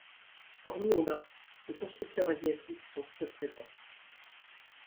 Hormis Honda, les constructeurs asiatiques sont peu présents.